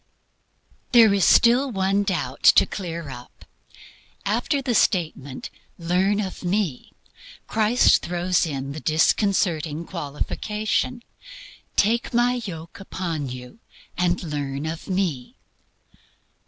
There is still one doubt to clear up. After the statement, "Learn of Me," Christ throws in the disconcerting qualification: "Take my yoke upon you, and learn of Me."